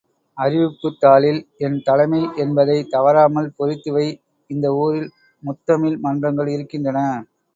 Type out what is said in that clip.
அறிவிப்புத் தாளில் என் தலைமை என்பதைத் தவறாமல் பொறித்து வை இந்த ஊரில் முத்தமிழ் மன்றங்கள் இருக்கின்றன.